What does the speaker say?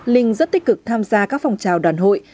linh rất tích cực tham gia các phòng trào đoàn hội